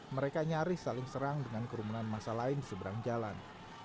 mereka nyaris saling serang dengan kerumunan masa lain di seberang jalan